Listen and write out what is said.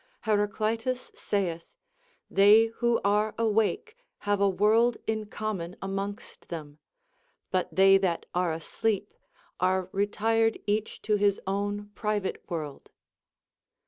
Ileraclitus saith : They who are awake hn.\e a world in common amongst them ; but they that are asleep are retired each to his own private world.